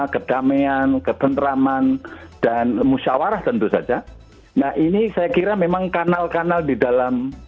kedamaian ketentraman dan musyawarah tentu saja nah ini saya kira memang kanal kanal di dalam